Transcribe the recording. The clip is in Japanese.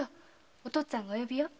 お父っつぁんがお呼びよ。